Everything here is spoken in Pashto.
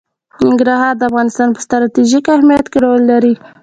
ننګرهار د افغانستان په ستراتیژیک اهمیت کې رول لري.